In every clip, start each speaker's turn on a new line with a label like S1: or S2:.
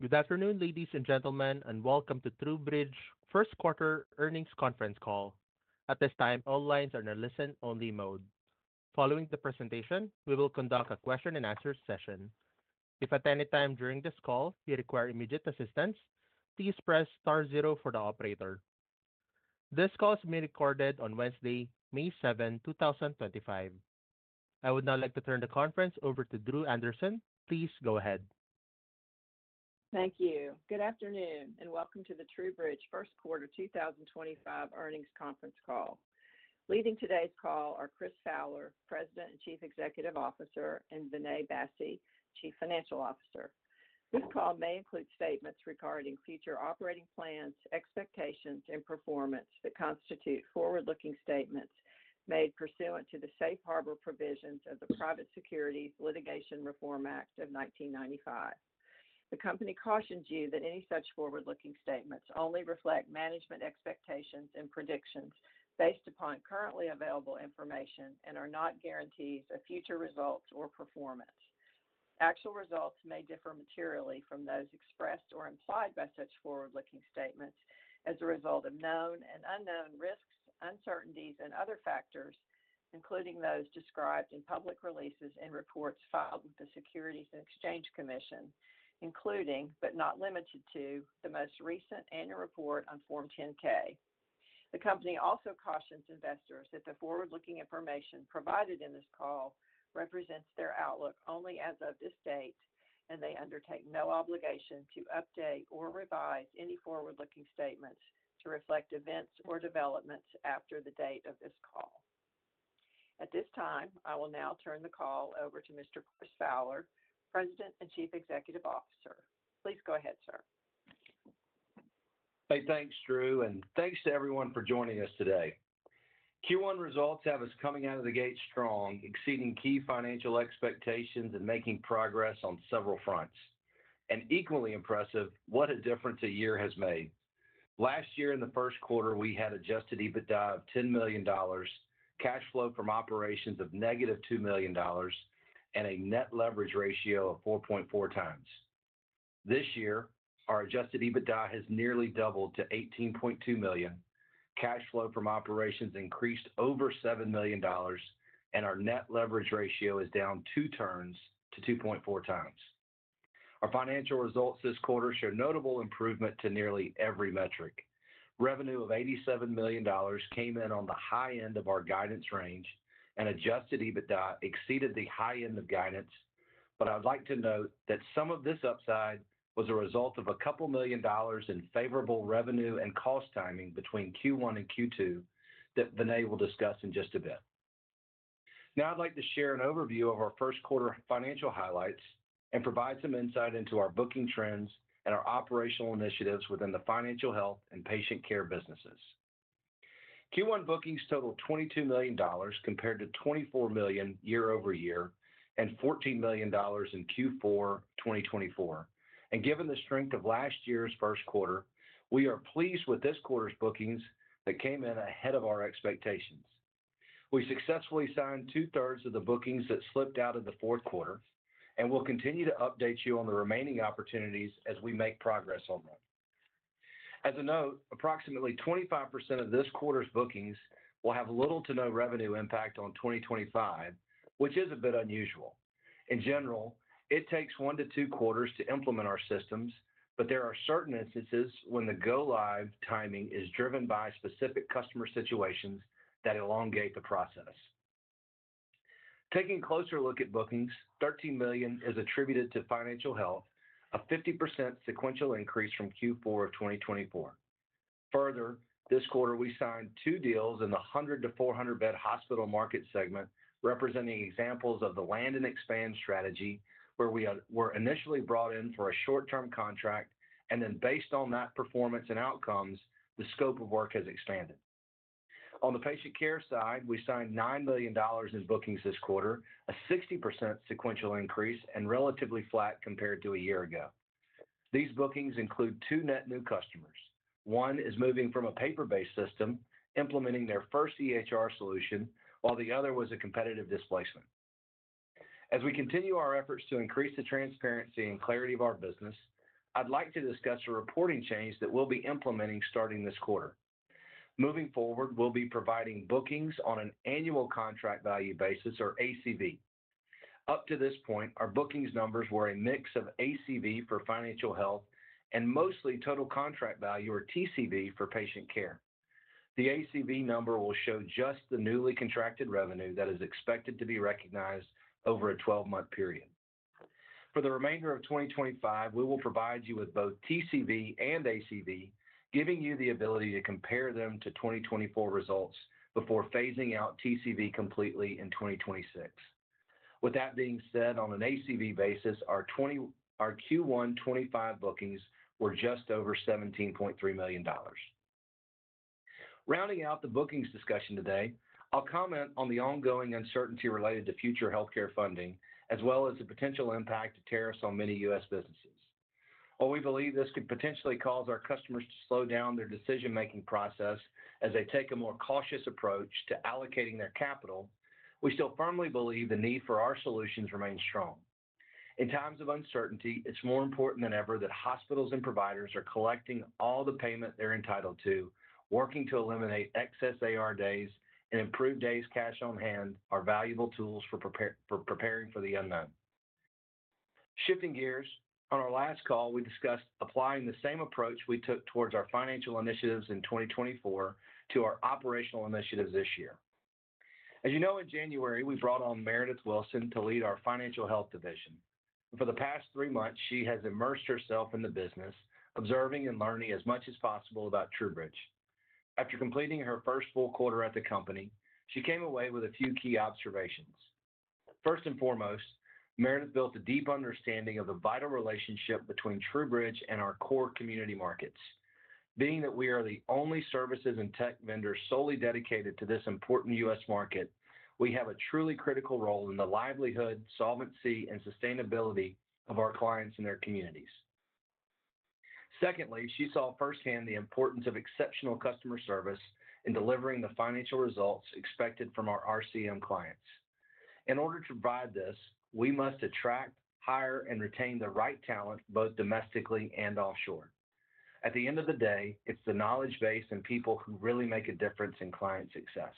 S1: Good afternoon, ladies and gentlemen, and welcome to TruBridge First Quarter Earnings Conference Call. At this time, all lines are in a listen-only mode. Following the presentation, we will conduct a question-and-answer session. If at any time during this call you require immediate assistance, please press star zero for the operator. This call is being recorded on Wednesday, May 7, 2025. I would now like to turn the conference over to Dru Anderson. Please go ahead.
S2: Thank you. Good afternoon, and welcome to the TruBridge First Quarter 2025 Earnings Conference Call. Leading today's call are Chris Fowler, President and Chief Executive Officer, and Vinay Bassi, Chief Financial Officer. This call may include statements regarding future operating plans, expectations, and performance that constitute forward-looking statements made pursuant to the safe harbor provisions of the Private Securities Litigation Reform Act of 1995. The company cautions you that any such forward-looking statements only reflect management expectations and predictions based upon currently available information and are not guarantees of future results or performance. Actual results may differ materially from those expressed or implied by such forward-looking statements as a result of known and unknown risks, uncertainties, and other factors, including those described in public releases and reports filed with the Securities and Exchange Commission, including, but not limited to, the most recent annual report on Form 10-K. The company also cautions investors that the forward-looking information provided in this call represents their outlook only as of this date, and they undertake no obligation to update or revise any forward-looking statements to reflect events or developments after the date of this call. At this time, I will now turn the call over to Mr. Chris Fowler, President and Chief Executive Officer. Please go ahead, sir.
S3: Hey, thanks, Dru, and thanks to everyone for joining us today. Q1 results have us coming out of the gate strong, exceeding key financial expectations and making progress on several fronts. Equally impressive, what a difference a year has made. Last year, in the first quarter, we had adjusted EBITDA of $10 million, cash flow from operations of negative $2 million, and a net leverage ratio of 4.4 times. This year, our adjusted EBITDA has nearly doubled to $18.2 million, cash flow from operations increased over $7 million, and our net leverage ratio is down two turns to 2.4 times. Our financial results this quarter show notable improvement to nearly every metric. Revenue of $87 million came in on the high end of our guidance range, and adjusted EBITDA exceeded the high end of guidance. I'd like to note that some of this upside was a result of a couple million dollars in favorable revenue and cost timing between Q1 and Q2 that Vinay will discuss in just a bit. Now, I'd like to share an overview of our first quarter financial highlights and provide some insight into our booking trends and our operational initiatives within the financial health and patient care businesses. Q1 bookings totaled $22 million compared to $24 million year-over-year and $14 million in Q4 2024. Given the strength of last year's first quarter, we are pleased with this quarter's bookings that came in ahead of our expectations. We successfully signed two-thirds of the bookings that slipped out of the fourth quarter, and we'll continue to update you on the remaining opportunities as we make progress on them. As a note, approximately 25% of this quarter's bookings will have little to no revenue impact on 2025, which is a bit unusual. In general, it takes one to two quarters to implement our systems, but there are certain instances when the go-live timing is driven by specific customer situations that elongate the process. Taking a closer look at bookings, $13 million is attributed to financial health, a 50% sequential increase from Q4 of 2024. Further, this quarter, we signed two deals in the 100-400 bed hospital market segment, representing examples of the land and expand strategy, where we were initially brought in for a short-term contract, and then based on that performance and outcomes, the scope of work has expanded. On the patient care side, we signed $9 million in bookings this quarter, a 60% sequential increase, and relatively flat compared to a year ago. These bookings include two net new customers. One is moving from a paper-based system, implementing their first EHR solution, while the other was a competitive displacement. As we continue our efforts to increase the transparency and clarity of our business, I'd like to discuss a reporting change that we'll be implementing starting this quarter. Moving forward, we'll be providing bookings on an annual contract value basis, or ACV. Up to this point, our bookings numbers were a mix of ACV for financial health and mostly total contract value, or TCV, for patient care. The ACV number will show just the newly contracted revenue that is expected to be recognized over a 12-month period. For the remainder of 2025, we will provide you with both TCV and ACV, giving you the ability to compare them to 2024 results before phasing out TCV completely in 2026. With that being said, on an ACV basis, our Q1 2025 bookings were just over $17.3 million. Rounding out the bookings discussion today, I'll comment on the ongoing uncertainty related to future healthcare funding, as well as the potential impact of tariffs on many U.S. businesses. While we believe this could potentially cause our customers to slow down their decision-making process as they take a more cautious approach to allocating their capital, we still firmly believe the need for our solutions remains strong. In times of uncertainty, it's more important than ever that hospitals and providers are collecting all the payment they're entitled to, working to eliminate excess AR days and improve days cash on hand are valuable tools for preparing for the unknown. Shifting gears, on our last call, we discussed applying the same approach we took towards our financial initiatives in 2024 to our operational initiatives this year. As you know, in January, we brought on Meredith Wilson to lead our Financial Health division. For the past three months, she has immersed herself in the business, observing and learning as much as possible about TruBridge. After completing her first full quarter at the company, she came away with a few key observations. First and foremost, Meredith built a deep understanding of the vital relationship between TruBridge and our core community markets. Being that we are the only services and tech vendor solely dedicated to this important U.S. market, we have a truly critical role in the livelihood, solvency, and sustainability of our clients and their communities. Secondly, she saw firsthand the importance of exceptional customer service in delivering the financial results expected from our RCM clients. In order to provide this, we must attract, hire, and retain the right talent both domestically and offshore. At the end of the day, it's the knowledge base and people who really make a difference in client success.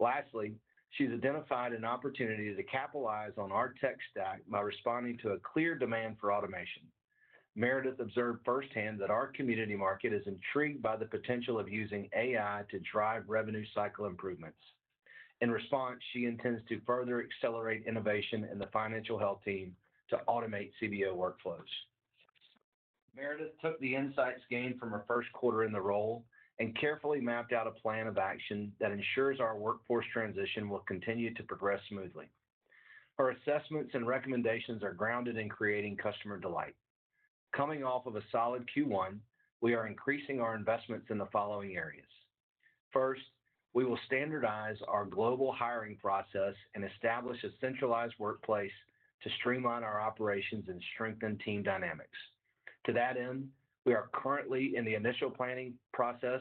S3: Lastly, she's identified an opportunity to capitalize on our tech stack by responding to a clear demand for automation. Meredith observed firsthand that our community market is intrigued by the potential of using AI to drive revenue cycle improvements. In response, she intends to further accelerate innovation in the financial health team to automate CBO workflows. Meredith took the insights gained from her first quarter in the role and carefully mapped out a plan of action that ensures our workforce transition will continue to progress smoothly. Her assessments and recommendations are grounded in creating customer delight. Coming off of a solid Q1, we are increasing our investments in the following areas. First, we will standardize our global hiring process and establish a centralized workplace to streamline our operations and strengthen team dynamics. To that end, we are currently in the initial planning process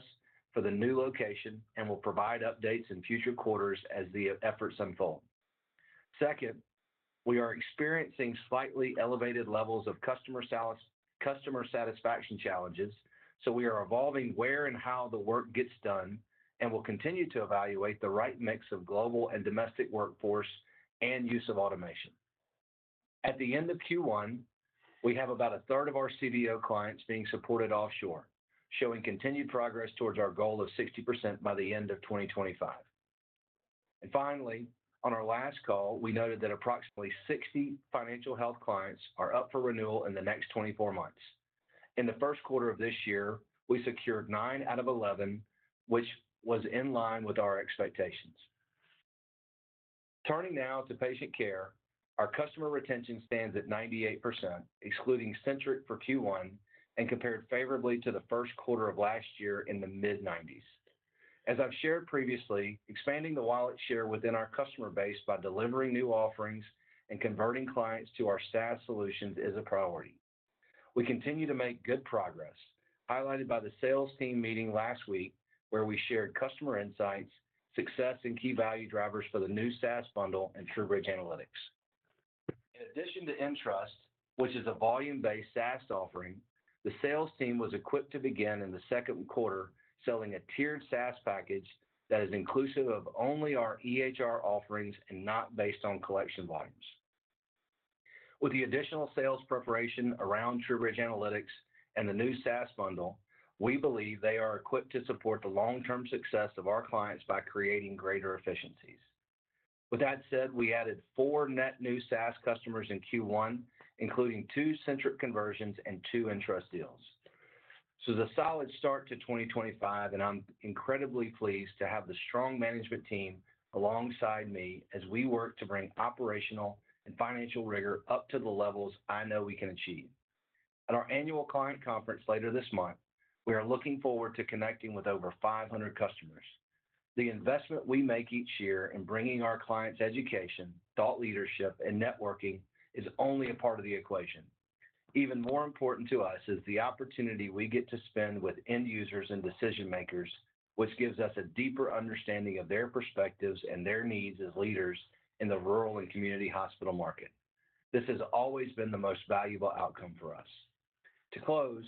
S3: for the new location and will provide updates in future quarters as the efforts unfold. Second, we are experiencing slightly elevated levels of customer satisfaction challenges, so we are evolving where and how the work gets done and will continue to evaluate the right mix of global and domestic workforce and use of automation. At the end of Q1, we have about a third of our CBO clients being supported offshore, showing continued progress towards our goal of 60% by the end of 2025. Finally, on our last call, we noted that approximately 60 financial health clients are up for renewal in the next 24 months. In the first quarter of this year, we secured 9 out of 11, which was in line with our expectations. Turning now to patient care, our customer retention stands at 98%, excluding Centric for Q1, and compared favorably to the first quarter of last year in the mid-90s. As I've shared previously, expanding the wallet share within our customer base by delivering new offerings and converting clients to our SaaS solutions is a priority. We continue to make good progress, highlighted by the sales team meeting last week, where we shared customer insights, success, and key value drivers for the new SaaS bundle and TruBridge Analytics. In addition to NTrust, which is a volume-based SaaS offering, the sales team was equipped to begin in the second quarter selling a tiered SaaS package that is inclusive of only our EHR offerings and not based on collection volumes. With the additional sales preparation around TruBridge Analytics and the new SaaS bundle, we believe they are equipped to support the long-term success of our clients by creating greater efficiencies. With that said, we added four net new SaaS customers in Q1, including two Centriq conversions and two nTrust deals. It is a solid start to 2025, and I'm incredibly pleased to have the strong management team alongside me as we work to bring operational and financial rigor up to the levels I know we can achieve. At our annual client conference later this month, we are looking forward to connecting with over 500 customers. The investment we make each year in bringing our clients education, thought leadership, and networking is only a part of the equation. Even more important to us is the opportunity we get to spend with end users and decision-makers, which gives us a deeper understanding of their perspectives and their needs as leaders in the rural and community hospital market. This has always been the most valuable outcome for us. To close,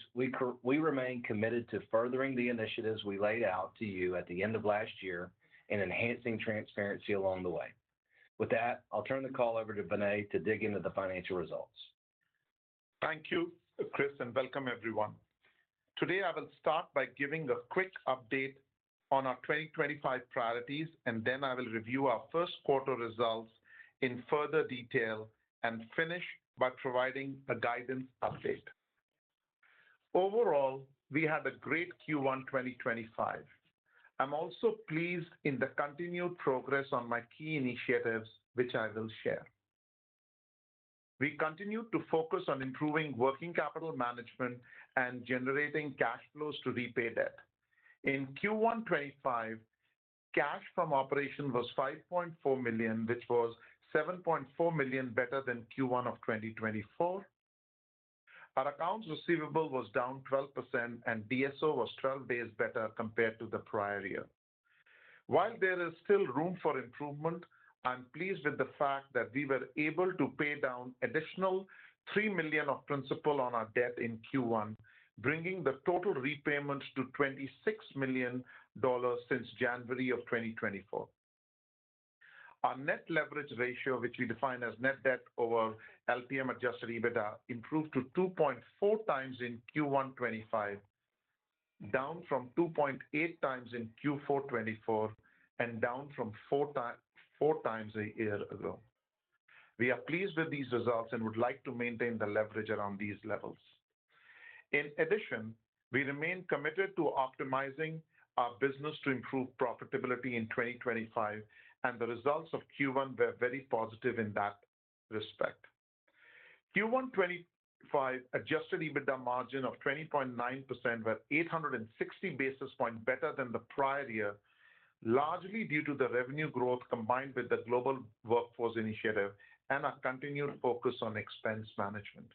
S3: we remain committed to furthering the initiatives we laid out to you at the end of last year and enhancing transparency along the way. With that, I'll turn the call over to Vinay to dig into the financial results.
S4: Thank you, Chris, and welcome, everyone. Today, I will start by giving a quick update on our 2025 priorities, and then I will review our first quarter results in further detail and finish by providing a guidance update. Overall, we had a great Q1 2025. I'm also pleased in the continued progress on my key initiatives, which I will share. We continue to focus on improving working capital management and generating cash flows to repay debt. In Q1 2025, cash from operation was $5.4 million, which was $7.4 million better than Q1 of 2024. Our accounts receivable was down 12%, and DSO was 12 days better compared to the prior year. While there is still room for improvement, I'm pleased with the fact that we were able to pay down an additional $3 million of principal on our debt in Q1, bringing the total repayments to $26 million since January of 2024. Our net leverage ratio, which we define as net debt over LTM adjusted EBITDA, improved to 2.4 times in Q1 2025, down from 2.8 times in Q4 2024, and down from 4 times a year ago. We are pleased with these results and would like to maintain the leverage around these levels. In addition, we remain committed to optimizing our business to improve profitability in 2025, and the results of Q1 were very positive in that respect. Q1 2025 adjusted EBITDA margin of 20.9% was 860 basis points better than the prior year, largely due to the revenue growth combined with the global workforce initiative and our continued focus on expense management.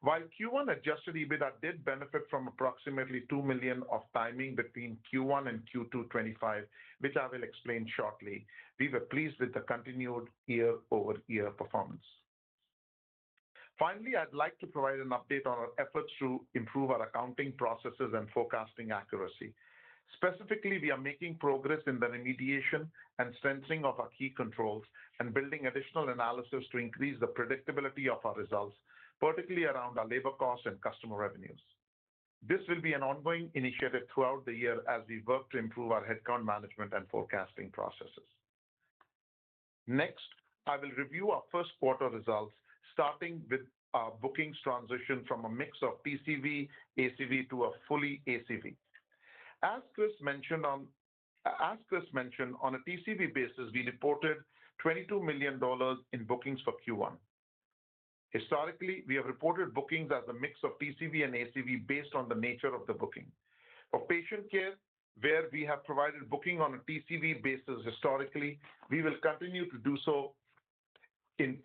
S4: While Q1 adjusted EBITDA did benefit from approximately $2 million of timing between Q1 and Q2 2025, which I will explain shortly, we were pleased with the continued year-over-year performance. Finally, I'd like to provide an update on our efforts to improve our accounting processes and forecasting accuracy. Specifically, we are making progress in the remediation and strengthening of our key controls and building additional analysis to increase the predictability of our results, particularly around our labor costs and customer revenues. This will be an ongoing initiative throughout the year as we work to improve our headcount management and forecasting processes. Next, I will review our first quarter results, starting with our bookings transition from a mix of TCV, ACV, to a fully ACV. As Chris mentioned, on a TCV basis, we reported $22 million in bookings for Q1. Historically, we have reported bookings as a mix of TCV and ACV based on the nature of the booking. For patient care, where we have provided booking on a TCV basis historically, we will continue to do so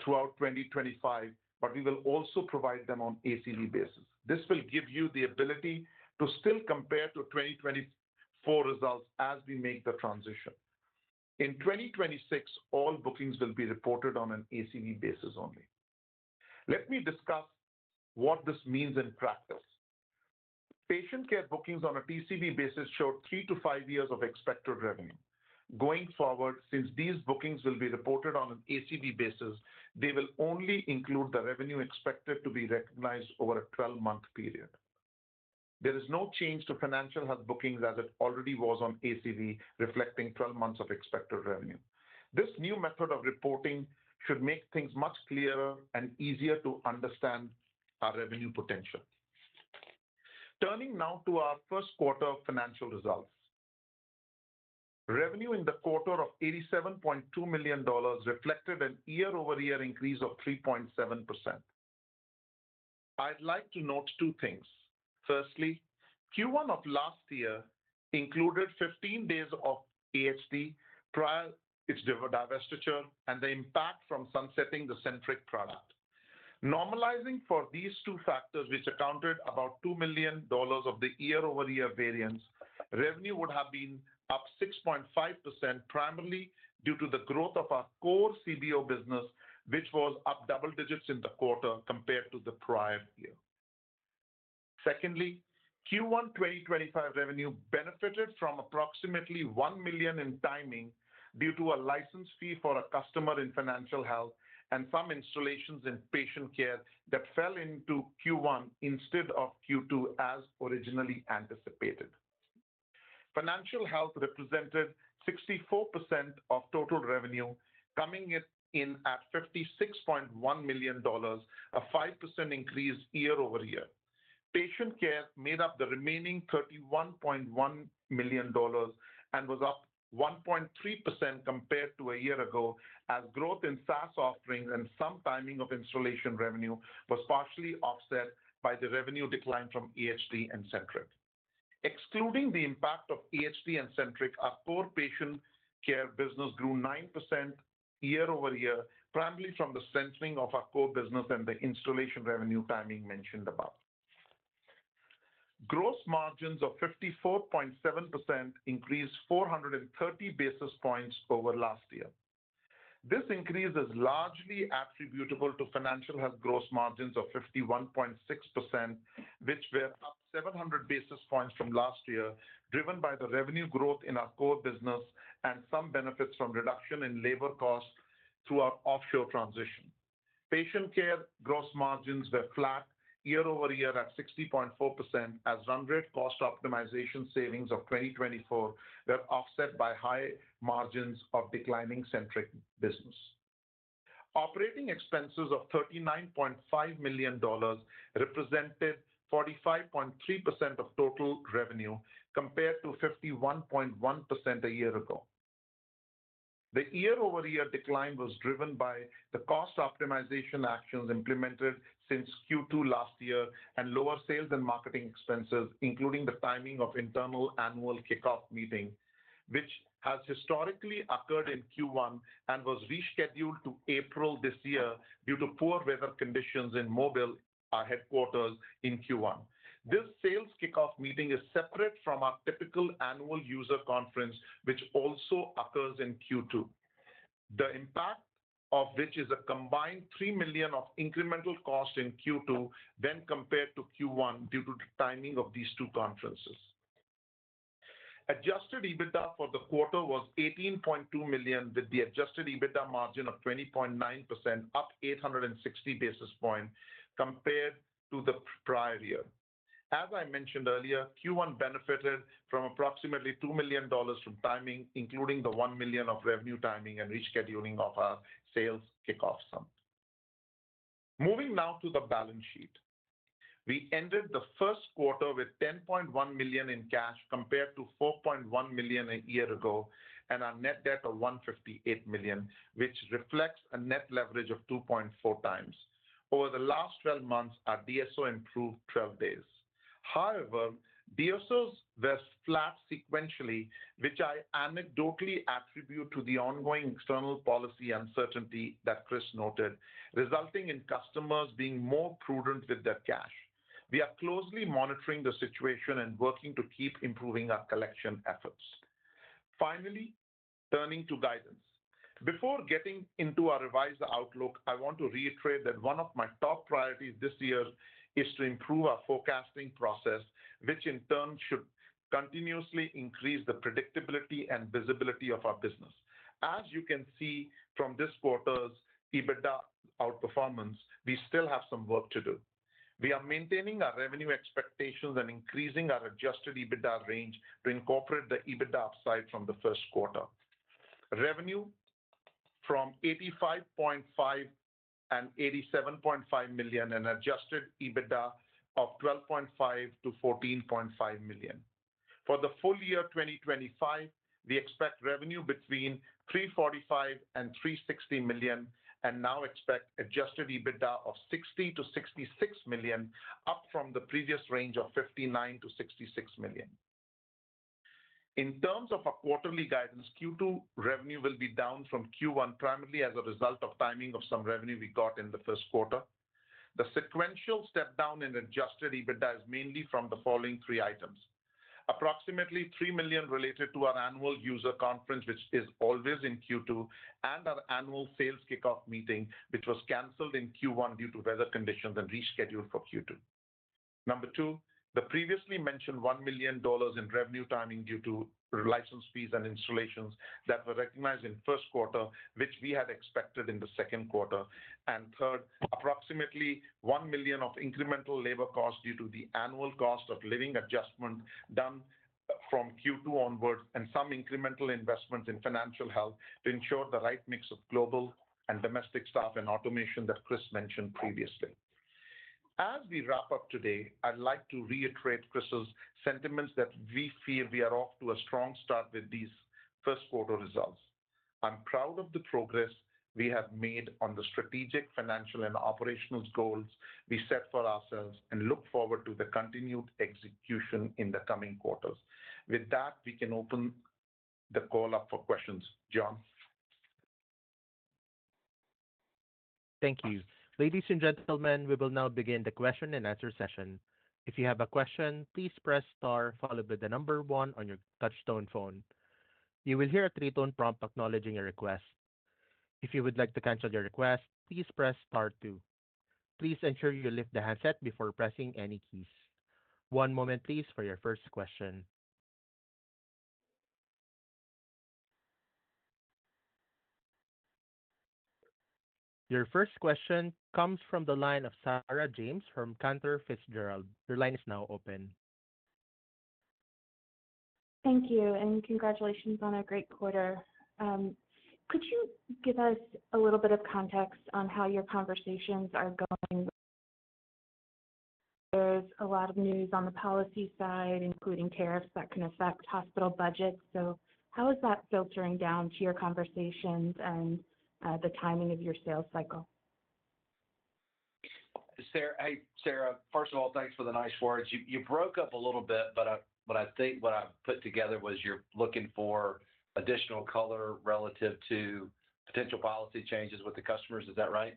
S4: throughout 2025, but we will also provide them on ACV basis. This will give you the ability to still compare to 2024 results as we make the transition. In 2026, all bookings will be reported on an ACV basis only. Let me discuss what this means in practice. Patient care bookings on a TCV basis showed three to five years of expected revenue. Going forward, since these bookings will be reported on an ACV basis, they will only include the revenue expected to be recognized over a 12-month period. There is no change to financial health bookings as it already was on ACV, reflecting 12 months of expected revenue. This new method of reporting should make things much clearer and easier to understand our revenue potential. Turning now to our first quarter financial results, revenue in the quarter of $87.2 million reflected a year-over-year increase of 3.7%. I'd like to note two things. Firstly, Q1 of last year included 15 days of AHT prior to its divestiture and the impact from sunsetting the Centriq product. Normalizing for these two factors, which accounted for about $2 million of the year-over-year variance, revenue would have been up 6.5%, primarily due to the growth of our core CBO business, which was up double digits in the quarter compared to the prior year. Secondly, Q1 2025 revenue benefited from approximately $1 million in timing due to a license fee for a customer in financial health and some installations in patient care that fell into Q1 instead of Q2, as originally anticipated. Financial health represented 64% of total revenue, coming in at $56.1 million, a 5% increase year-over-year. Patient care made up the remaining $31.1 million and was up 1.3% compared to a year ago, as growth in SaaS offerings and some timing of installation revenue was partially offset by the revenue decline from AHT and Centriq. Excluding the impact of AHT and Centric, our core patient care business grew 9% year-over-year, primarily from the strengthening of our core business and the installation revenue timing mentioned above. Gross margins of 54.7% increased 430 basis points over last year. This increase is largely attributable to financial health gross margins of 51.6%, which were up 700 basis points from last year, driven by the revenue growth in our core business and some benefits from reduction in labor costs through our offshore transition. Patient care gross margins were flat year-over-year at 60.4%, as run rate cost optimization savings of 2024 were offset by high margins of declining Centric business. Operating expenses of $39.5 million represented 45.3% of total revenue compared to 51.1% a year ago. The year-over-year decline was driven by the cost optimization actions implemented since Q2 last year and lower sales and marketing expenses, including the timing of internal annual kickoff meeting, which has historically occurred in Q1 and was rescheduled to April this year due to poor weather conditions in Mobile, our headquarters in Q1. This sales kickoff meeting is separate from our typical annual user conference, which also occurs in Q2, the impact of which is a combined $3 million of incremental cost in Q2 when compared to Q1 due to the timing of these two conferences. Adjusted EBITDA for the quarter was $18.2 million, with the adjusted EBITDA margin of 20.9%, up 860 basis points compared to the prior year. As I mentioned earlier, Q1 benefited from approximately $2 million from timing, including the $1 million of revenue timing and rescheduling of our sales kickoff sum. Moving now to the balance sheet, we ended the first quarter with $10.1 million in cash compared to $4.1 million a year ago and our net debt of $158 million, which reflects a net leverage of 2.4 times. Over the last 12 months, our DSO improved 12 days. However, DSOs were flat sequentially, which I anecdotally attribute to the ongoing external policy uncertainty that Chris noted, resulting in customers being more prudent with their cash. We are closely monitoring the situation and working to keep improving our collection efforts. Finally, turning to guidance. Before getting into our revised outlook, I want to reiterate that one of my top priorities this year is to improve our forecasting process, which in turn should continuously increase the predictability and visibility of our business. As you can see from this quarter's EBITDA outperformance, we still have some work to do. We are maintaining our revenue expectations and increasing our adjusted EBITDA range to incorporate the EBITDA upside from the first quarter. Revenue from $85.5-$87.5 million and adjusted EBITDA of $12.5-$14.5 million. For the full year 2025, we expect revenue between $345-$360 million and now expect adjusted EBITDA of $60-$66 million, up from the previous range of $59-$66 million. In terms of our quarterly guidance, Q2 revenue will be down from Q1, primarily as a result of timing of some revenue we got in the first quarter. The sequential step down in adjusted EBITDA is mainly from the following three items: approximately $3 million related to our annual user conference, which is always in Q2, and our annual sales kickoff meeting, which was canceled in Q1 due to weather conditions and rescheduled for Q2. Number two, the previously mentioned $1 million in revenue timing due to license fees and installations that were recognized in the first quarter, which we had expected in the second quarter. Third, approximately $1 million of incremental labor costs due to the annual cost of living adjustment done from Q2 onwards and some incremental investments in financial health to ensure the right mix of global and domestic staff and automation that Chris mentioned previously. As we wrap up today, I'd like to reiterate Chris's sentiments that we feel we are off to a strong start with these first quarter results. I'm proud of the progress we have made on the strategic, financial, and operational goals we set for ourselves and look forward to the continued execution in the coming quarters. With that, we can open the call up for questions. John.
S1: Thank you. Ladies and gentlemen, we will now begin the question and answer session. If you have a question, please press Star, followed by the number one on your touchstone phone. You will hear a three-tone prompt acknowledging your request. If you would like to cancel your request, please press Star 2. Please ensure you lift the handset before pressing any keys. One moment, please, for your first question. Your first question comes from the line of Sarah James from Cantor Fitzgerald. Your line is now open.
S5: Thank you, and congratulations on a great quarter. Could you give us a little bit of context on how your conversations are going? There's a lot of news on the policy side, including tariffs that can affect hospital budgets. How is that filtering down to your conversations and the timing of your sales cycle?
S3: Sarah, first of all, thanks for the nice words. You broke up a little bit, but what I think what I've put together was you're looking for additional color relative to potential policy changes with the customers. Is that right?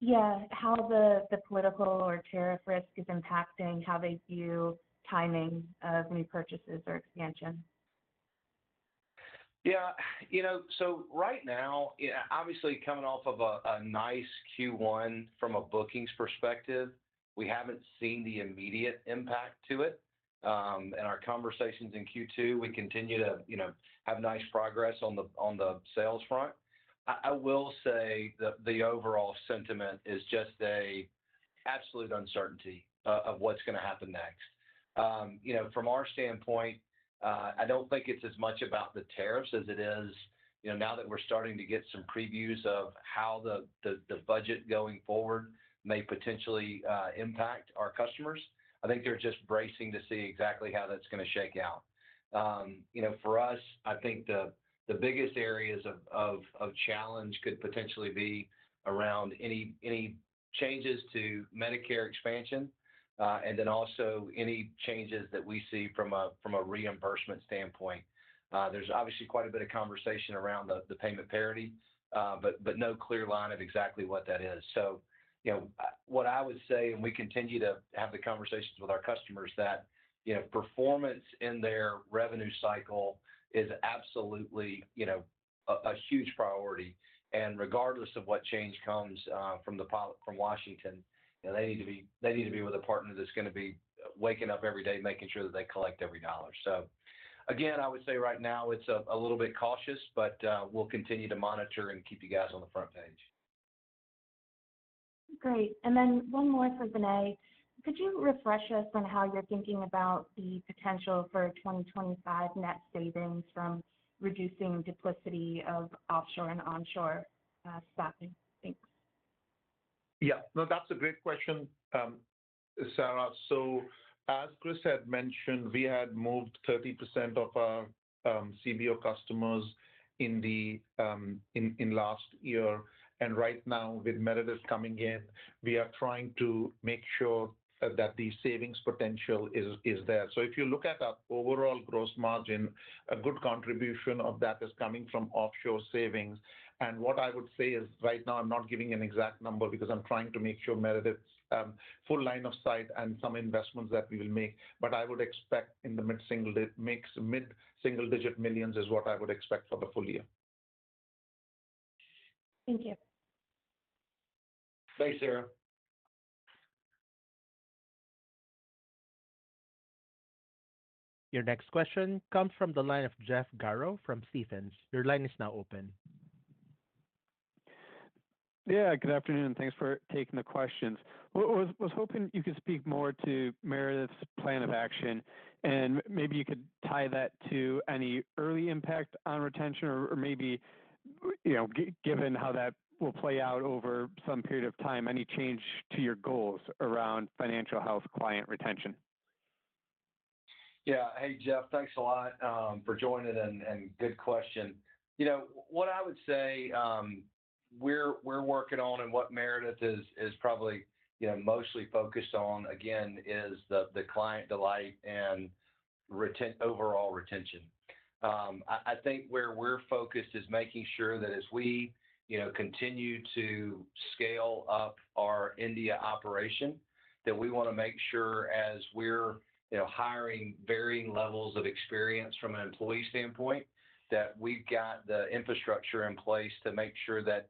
S5: Yeah, how the political or tariff risk is impacting how they view timing of new purchases or expansion?
S3: Yeah. Right now, obviously, coming off of a nice Q1 from a bookings perspective, we haven't seen the immediate impact to it. In our conversations in Q2, we continue to have nice progress on the sales front. I will say the overall sentiment is just an absolute uncertainty of what's going to happen next. From our standpoint, I don't think it's as much about the tariffs as it is now that we're starting to get some previews of how the budget going forward may potentially impact our customers. I think they're just bracing to see exactly how that's going to shake out. For us, I think the biggest areas of challenge could potentially be around any changes to Medicare expansion and then also any changes that we see from a reimbursement standpoint. There's obviously quite a bit of conversation around the payment parity, but no clear line of exactly what that is. What I would say, and we continue to have the conversations with our customers, is that performance in their revenue cycle is absolutely a huge priority. Regardless of what change comes from Washington, they need to be with a partner that's going to be waking up every day making sure that they collect every dollar. Again, I would say right now, it's a little bit cautious, but we'll continue to monitor and keep you guys on the front page.
S5: Great. One more for Vinay. Could you refresh us on how you're thinking about the potential for 2025 net savings from reducing duplicity of offshore and onshore staffing? Thanks.
S4: Yeah. No, that's a great question, Sarah. As Chris had mentioned, we had moved 30% of our CBO customers in last year. Right now, with Meredith coming in, we are trying to make sure that the savings potential is there. If you look at our overall gross margin, a good contribution of that is coming from offshore savings. What I would say is right now, I'm not giving an exact number because I'm trying to make sure Meredith's full line of sight and some investments that we will make. I would expect in the mid-single digit millions is what I would expect for the full year.
S5: Thank you.
S4: Thanks, Sarah.
S1: Your next question comes from the line of Jeff Garro from Stephens. Your line is now open.
S6: Yeah. Good afternoon. Thanks for taking the questions. I was hoping you could speak more to Meredith's plan of action, and maybe you could tie that to any early impact on retention or maybe given how that will play out over some period of time, any change to your goals around financial health client retention.
S3: Yeah. Hey, Jeff, thanks a lot for joining. Good question. What I would say we're working on and what Meredith is probably mostly focused on, again, is the client delight and overall retention. I think where we're focused is making sure that as we continue to scale up our India operation, we want to make sure as we're hiring varying levels of experience from an employee standpoint, that we've got the infrastructure in place to make sure that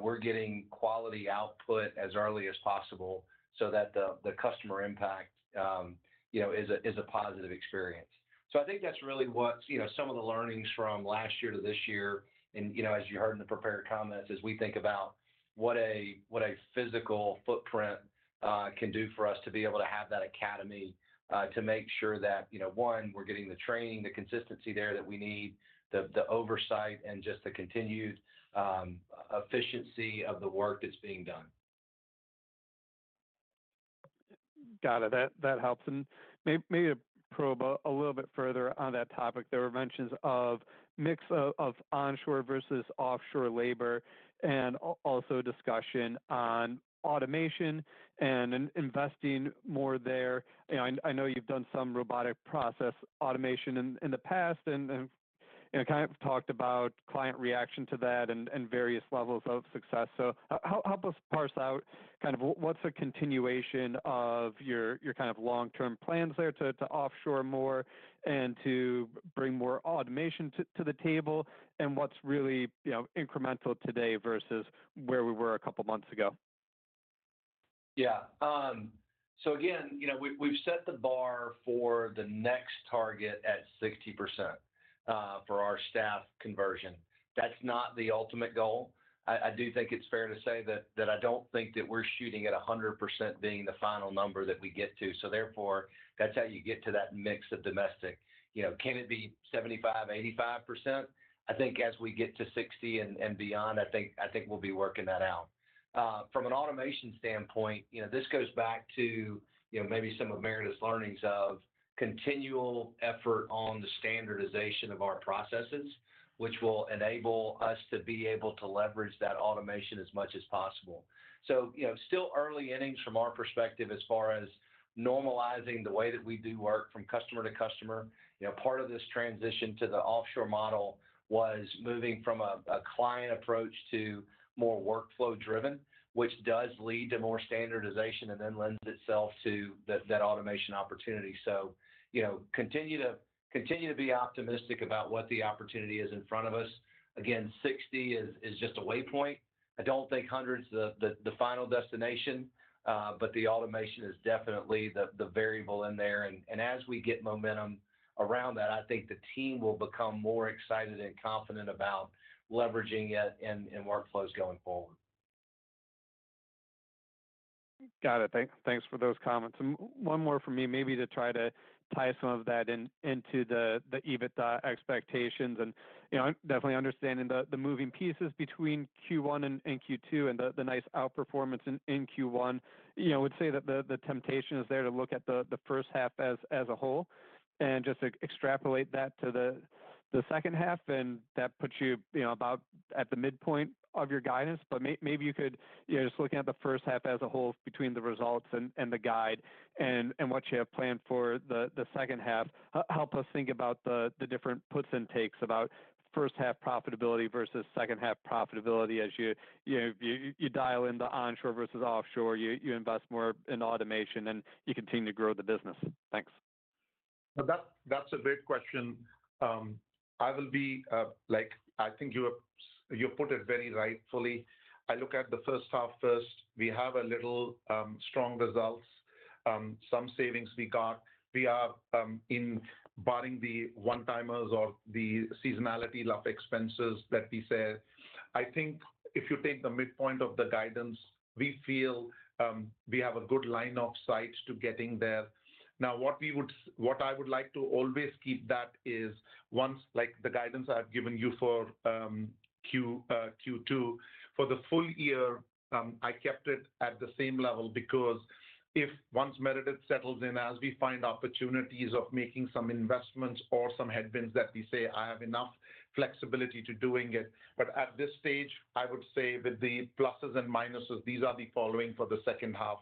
S3: we're getting quality output as early as possible so that the customer impact is a positive experience. I think that's really what some of the learnings from last year to this year, and as you heard in the prepared comments, as we think about what a physical footprint can do for us to be able to have that academy to make sure that, one, we're getting the training, the consistency there that we need, the oversight, and just the continued efficiency of the work that's being done.
S6: Got it. That helps. Maybe to probe a little bit further on that topic, there were mentions of mix of onshore versus offshore labor and also discussion on automation and investing more there. I know you've done some robotic process automation in the past and kind of talked about client reaction to that and various levels of success. Help us parse out kind of what's a continuation of your kind of long-term plans there to offshore more and to bring more automation to the table and what's really incremental today versus where we were a couple of months ago.
S3: Yeah. So again, we've set the bar for the next target at 60% for our staff conversion. That's not the ultimate goal. I do think it's fair to say that I don't think that we're shooting at 100% being the final number that we get to. Therefore, that's how you get to that mix of domestic. Can it be 75-85%? I think as we get to 60% and beyond, I think we'll be working that out. From an automation standpoint, this goes back to maybe some of Meredith's learnings of continual effort on the standardization of our processes, which will enable us to be able to leverage that automation as much as possible. Still early innings from our perspective as far as normalizing the way that we do work from customer to customer. Part of this transition to the offshore model was moving from a client approach to more workflow-driven, which does lead to more standardization and then lends itself to that automation opportunity. I continue to be optimistic about what the opportunity is in front of us. Again, 60 is just a waypoint. I do not think 100 is the final destination, but the automation is definitely the variable in there. As we get momentum around that, I think the team will become more excited and confident about leveraging it in workflows going forward.
S6: Got it. Thanks for those comments. One more from me, maybe to try to tie some of that into the EBITDA expectations. Definitely understanding the moving pieces between Q1 and Q2 and the nice outperformance in Q1. I would say that the temptation is there to look at the first half as a whole and just extrapolate that to the second half. That puts you about at the midpoint of your guidance. Maybe you could, just looking at the first half as a whole between the results and the guide and what you have planned for the second half, help us think about the different puts and takes about first-half profitability versus second-half profitability as you dial in the onshore versus offshore. You invest more in automation and you continue to grow the business. Thanks.
S4: That's a great question. I will be like, I think you put it very rightfully. I look at the first half first. We have a little strong results, some savings we got. We are in barring the one-timers or the seasonality of expenses that we said. I think if you take the midpoint of the guidance, we feel we have a good line of sight to getting there. Now, what I would like to always keep that is once the guidance I've given you for Q2, for the full year, I kept it at the same level because if once Meredith settles in, as we find opportunities of making some investments or some headwinds that we say, "I have enough flexibility to doing it." At this stage, I would say with the pluses and minuses, these are the following for the second half.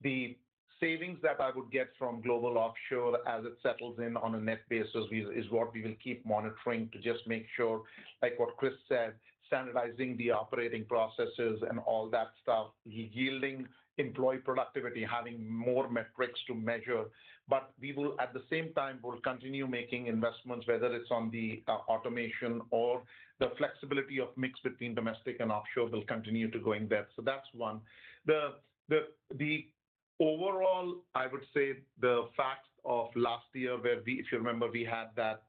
S4: The savings that I would get from global offshore as it settles in on a net basis is what we will keep monitoring to just make sure, like what Chris said, standardizing the operating processes and all that stuff, yielding employee productivity, having more metrics to measure. We will, at the same time, continue making investments, whether it's on the automation or the flexibility of mix between domestic and offshore will continue to go in depth. That's one. The overall, I would say the fact of last year where if you remember, we had that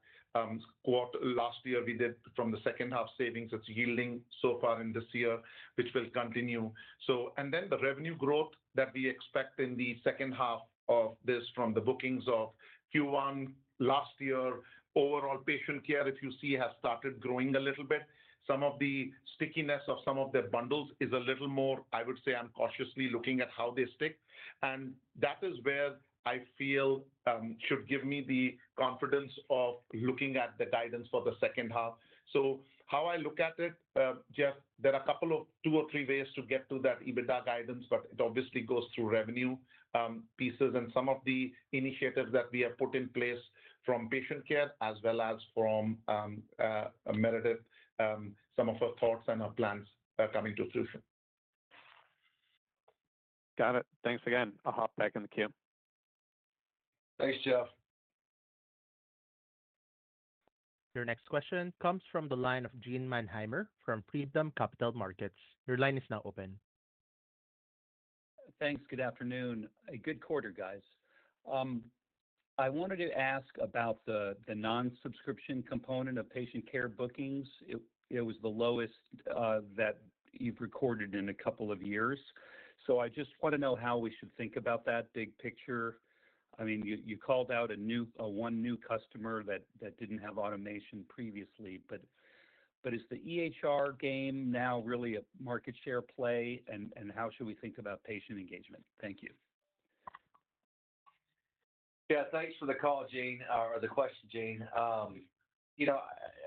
S4: quarter last year we did from the second half savings that's yielding so far in this year, which will continue. The revenue growth that we expect in the second half of this from the bookings of Q1 last year, overall patient care, if you see, has started growing a little bit. Some of the stickiness of some of the bundles is a little more, I would say, I'm cautiously looking at how they stick. That is where I feel should give me the confidence of looking at the guidance for the second half. How I look at it, Jeff, there are a couple of two or three ways to get to that EBITDA guidance, but it obviously goes through revenue pieces and some of the initiatives that we have put in place from patient care as well as from Meredith, some of her thoughts and her plans coming to fruition.
S6: Got it. Thanks again. I'll hop back in the queue.
S3: Thanks, Jeff.
S1: Your next question comes from the line of Gene Mannheimer from Freedom Capital Markets. Your line is now open.
S7: Thanks. Good afternoon. A good quarter, guys. I wanted to ask about the non-subscription component of patient care bookings. It was the lowest that you've recorded in a couple of years. I just want to know how we should think about that big picture. I mean, you called out one new customer that didn't have automation previously, but is the EHR game now really a market share play? How should we think about patient engagement? Thank you.
S3: Yeah. Thanks for the call, Gene, or the question, Gene.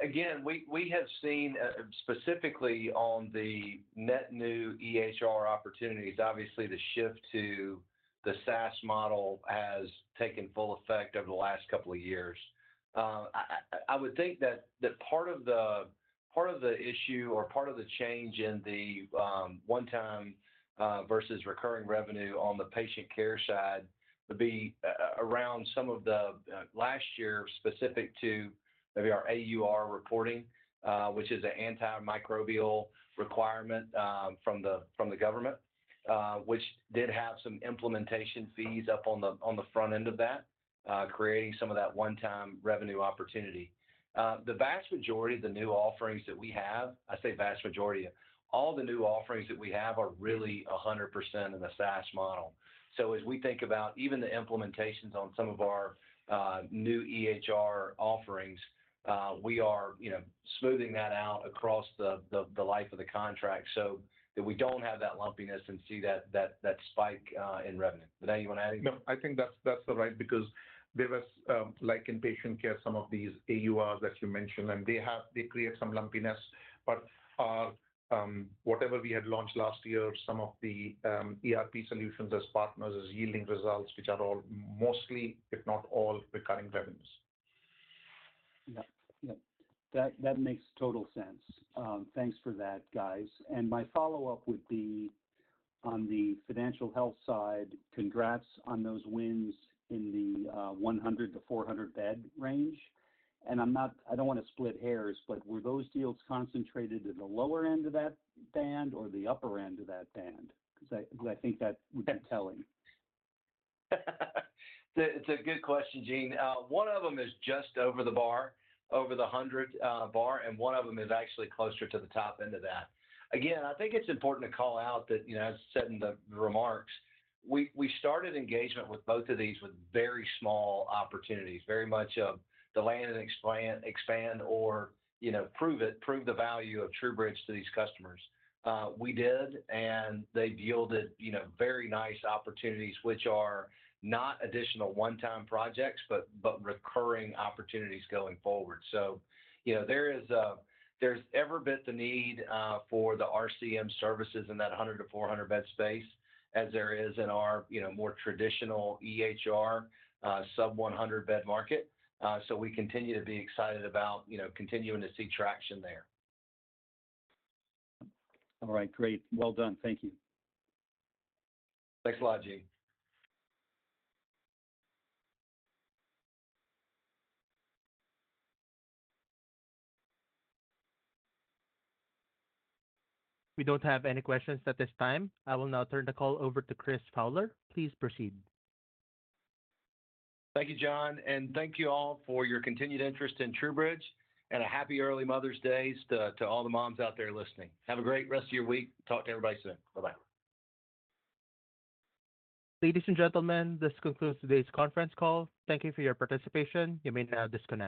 S3: Again, we have seen specifically on the net new EHR opportunities, obviously the shift to the SaaS model has taken full effect over the last couple of years. I would think that part of the issue or part of the change in the one-time versus recurring revenue on the patient care side would be around some of the last year specific to maybe our AUR reporting, which is an antimicrobial requirement from the government, which did have some implementation fees up on the front end of that, creating some of that one-time revenue opportunity. The vast majority of the new offerings that we have, I say vast majority, all the new offerings that we have are really 100% in the SaaS model. As we think about even the implementations on some of our new EHR offerings, we are smoothing that out across the life of the contract so that we do not have that lumpiness and see that spike in revenue. Vinay, you want to add anything?
S4: No, I think that's right because there was like in patient care, some of these AURs that you mentioned, and they create some lumpiness. Whatever we had launched last year, some of the ERP solutions as partners is yielding results, which are all mostly, if not all, recurring revenues.
S7: Yeah. Yeah. That makes total sense. Thanks for that, guys. My follow-up would be on the financial health side, congrats on those wins in the 100-400 bed range. I do not want to split hairs, but were those deals concentrated at the lower end of that band or the upper end of that band? I think that would be telling.
S3: It's a good question, Gene. One of them is just over the bar, over the 100 bar, and one of them is actually closer to the top end of that. Again, I think it's important to call out that, as said in the remarks, we started engagement with both of these with very small opportunities, very much of the land and expand or prove the value of TruBridge to these customers. We did, and they yielded very nice opportunities, which are not additional one-time projects, but recurring opportunities going forward. There's every bit the need for the RCM services in that 100-400 bed space as there is in our more traditional EHR sub-100 bed market. We continue to be excited about continuing to see traction there.
S7: All right. Great. Well done. Thank you.
S3: Thanks a lot, Gene.
S1: We don't have any questions at this time. I will now turn the call over to Chris Fowler. Please proceed.
S3: Thank you, John. Thank you all for your continued interest in TruBridge and a happy early Mother's Day to all the moms out there listening. Have a great rest of your week. Talk to everybody soon. Bye-bye.
S1: Ladies and gentlemen, this concludes today's conference call. Thank you for your participation. You may now disconnect.